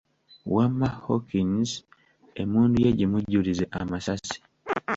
Wamma Hawkins emmundu ye gimujjulize amasasi.